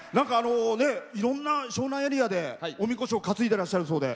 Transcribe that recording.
いろんな湘南エリアでおみこしを担いでいるそうで。